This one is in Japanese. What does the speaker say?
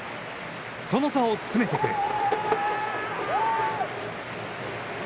その差を詰めてくる。